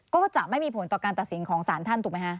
ก็จะไม่มีผลต่อการตัดสินของสารท่านถูกไหมคะ